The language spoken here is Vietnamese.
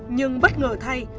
nhưng bất ngờ thay